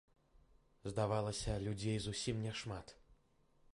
Здавалася, людзей зусім няшмат.